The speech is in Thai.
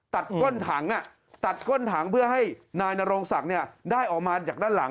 ก้นถังตัดก้นถังเพื่อให้นายนโรงศักดิ์ได้ออกมาจากด้านหลัง